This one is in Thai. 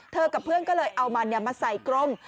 กับเพื่อนก็เลยเอามันมาใส่กรม